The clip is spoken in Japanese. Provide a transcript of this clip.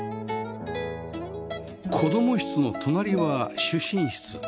子供室の隣は主寝室